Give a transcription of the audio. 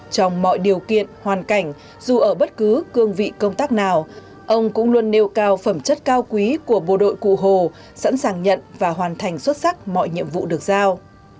trong mọi điều kiện hoàn cảnh dù ở bất cứ cương vị công tác nào ông cũng luôn nêu cao phẩm chất cao quý của bộ đội cụ hồ sẵn sàng nhận và hoàn thành xuất sắc mọi nhiệm vụ được giao